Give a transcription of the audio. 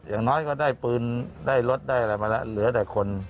อย่างน้อยก็ได้ปืนได้รถได้อะไรมาแล้วเหลือแต่คน